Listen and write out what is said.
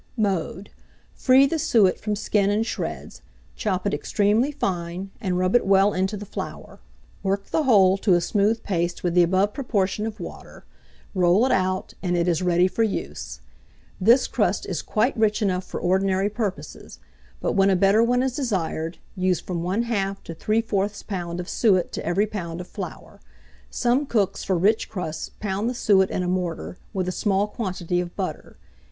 Mode. Free the suet from skin and shreds; chop it extremely fine, and rub it well into the flour; work the whole to a smooth paste with the above proportion of water; roll it out, and it is ready for use. This crust is quite rich enough for ordinary purposes, but when a better one is desired, use from 1/2 to 3/4 lb. of suet to every lb. of flour. Some cooks, for rich crusts, pound the suet in a mortar, with a small quantity of butter.